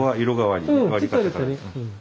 うん。